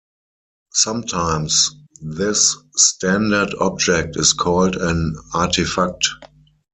Sometimes this standard object is called an artifact.